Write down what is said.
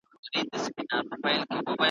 د ده ټول ښکلي ملګري یو په یو دي کوچېدلي `